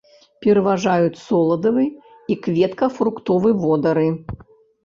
Пераважаюць соладавы і кветкава-фруктовы водары.